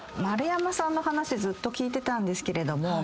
丸山さんの話ずっと聞いてたんですけれども。